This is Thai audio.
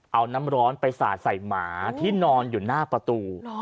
เอาน้ำร้อนไปสาดใส่หมาที่นอนอยู่หน้าประตู